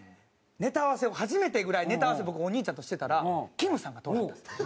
ネタ合わせを初めてぐらいネタ合わせを僕お兄ちゃんとしてたらきむさんが通りはったんですよ。